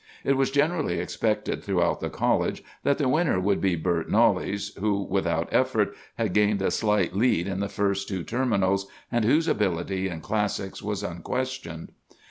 It was generally expected throughout the college that the winner would be Bert Knollys, who, without effort, had gained a slight lead in the first two terminals, and whose ability in classics was unquestioned.